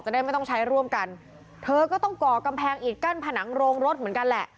ได้ไม่ต้องใช้ร่วมกันเธอก็ต้องก่อกำแพงอิดกั้นผนังโรงรถเหมือนกันแหละ